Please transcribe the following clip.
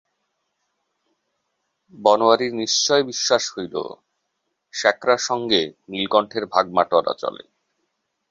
বনোয়ারির নিশ্চয় বিশ্বাস হইল, স্যাকরার সঙ্গে নীলকণ্ঠের ভাগবাটোয়ারা চলে।